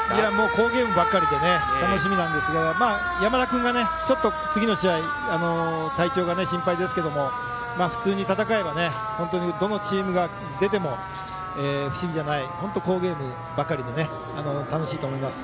好ゲームばかりで楽しみなんですが山田君が次の試合体調が心配ですが普通に戦えばどのチームが出ても不思議じゃない本当に好ゲームばかりで楽しいと思います。